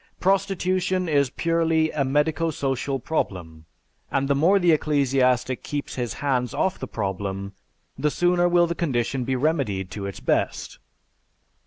Prostitution is purely a medico social problem, and the more the ecclesiastic keeps his hands off the problem the sooner will the condition be remedied to its best.